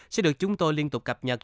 sẽ được chúng tôi liên tục cập nhật